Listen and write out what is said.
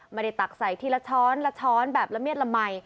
มาไดดตักใส่ทีละช้อนแบบละเมียดละไม